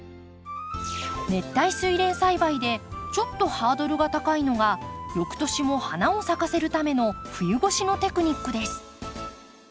熱帯スイレン栽培でちょっとハードルが高いのが翌年も花を咲かせるための冬越しのテクニックです。